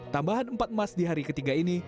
tambahan empat emas di hari ketiga ini